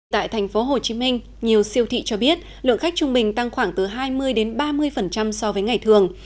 tại thành phố hồ chí minh nhiều siêu thị cho biết lượng khách trung bình tăng khoảng từ hai mươi ba mươi so với ngày thường